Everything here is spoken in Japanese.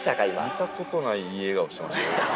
見たことない、いい笑顔してましたね。